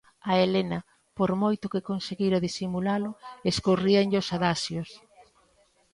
A Helena, por moito que conseguira disimulalo, escorríanlle os adaxios.